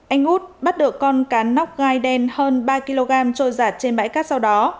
anh út bắt được con cá nóc gai đen hơn ba kg trôi giặt trên bãi cát sau đó